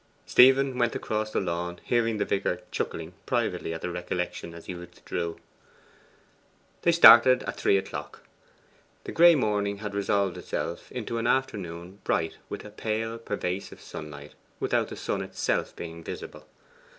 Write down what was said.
Stephen went across the lawn, hearing the vicar chuckling privately at the recollection as he withdrew. They started at three o'clock. The gray morning had resolved itself into an afternoon bright with a pale pervasive sunlight, without the sun itself being visible.